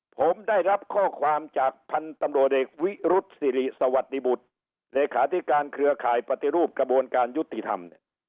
ผมได้รับข้อความจากพันธุ์ตำรวจเอกวิรุษศิริสวัสดิบุตรเลขาธิการเครือข่ายปฏิรูปกระบวนการยุติธรรมเนี่ย